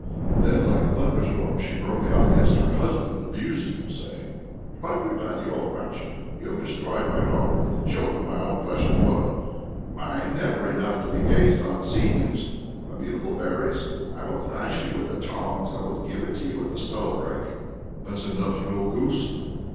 Then, like a thunderstorm, she broke out against her husband, abusing him saying: "What have you done, you old wretch? You have destroyed my daughters, the children of my own flesh and blood, my never enough to be gazed on seedlings, my beautiful berries! I will thrash you with the tongs; I will give it you with the stove rake." "That's enough, you old goose!